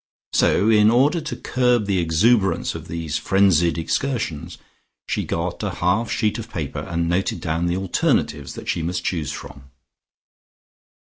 So, in order to curb the exuberance of these frenzied excursions she got a half sheet of paper, and noted down the alternatives that she must choose from.